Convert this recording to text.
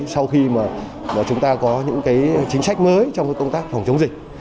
sau khi mà chúng ta có những chính sách mới trong công tác phòng chống dịch